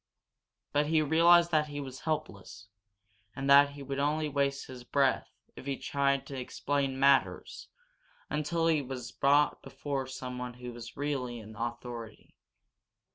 But he realized that he was helpless, and that he would only waste his breath if he tried to explain matters until he was brought before someone who was really in authority.